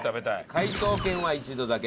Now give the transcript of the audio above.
解答権は一度だけ。